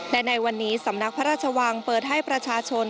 และในวันนี้สำนักพระราชวังเปิดให้ประชาชน